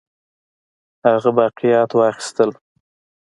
هغه باقیات واخیستل.